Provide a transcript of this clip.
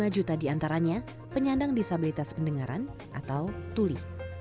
dua lima juta di antaranya penyandang disabilitas pendengaran atau tuli